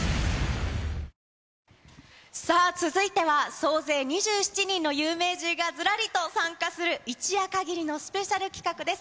総勢２７人の有名人がずらりと参加する、一夜限りのスペシャル企画です。